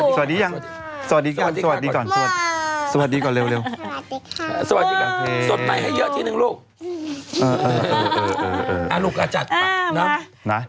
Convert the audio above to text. สวัสดีใหม่ให้เยอะ